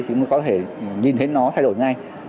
chúng ta có thể nhìn thấy nó thay đổi ngay